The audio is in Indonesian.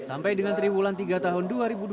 sampai dengan triwulan tiga tahun dua ribu dua puluh